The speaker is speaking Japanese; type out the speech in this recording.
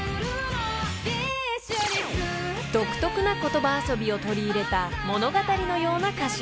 ［独特な言葉遊びを取り入れた物語のような歌詞］